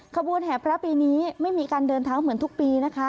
ขบวนแห่พระปีนี้ไม่มีการเดินเท้าเหมือนทุกปีนะคะ